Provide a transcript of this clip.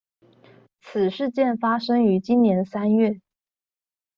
此事件發生於今年三月